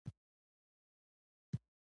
نوموړي غوره ګڼله پرنسېپ خطاب وشي